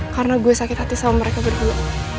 karena gue sakit hati sama mereka berdua